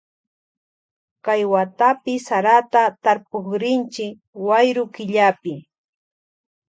Kay watapi sarata tarpukrinchi wayru killapi.